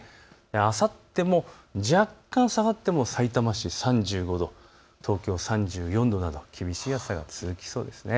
あさっても若干下がってもさいたま市３５度、東京３４度、厳しい暑さ、続きそうです。